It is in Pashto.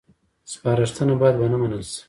سپارښتنه باید ونه منل شي